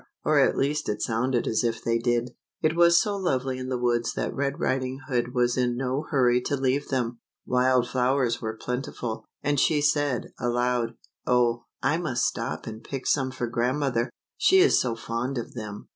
or at least it sounded as if they did. It was so lovely in the woods that Red Riding Hood was in no hurry to leave them. Wild flowers were plentiful, and she said, aloud, " Oh, I must stop and pick some for grandmother, she is so fond of them !"